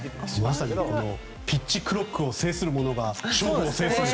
まさにピッチクロックを制する者がゲームを制すると。